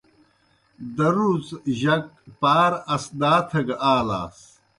دروچ جک پار اسدا تھگہ آلاس۔